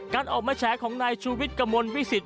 การออกมาแชร์ของนายชุวิตกระมวลวิสิต